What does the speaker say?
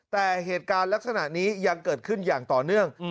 แต่เหตุการณ์ลักษณะนี้ยังเกิดขึ้นอย่างต่อเนื่อง